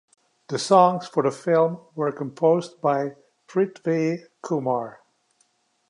The songs for the film were composed by Prithvi Kumar.